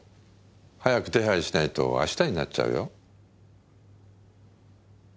早く手配しないと明日になっちゃうよ。